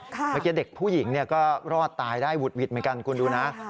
เมื่อกี้เด็กผู้หญิงก็รอดตายได้หุดหวิดเหมือนกันคุณดูนะ